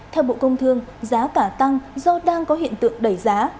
theo bộ công thương giá cả tăng do đang có hiện tượng đẩy giá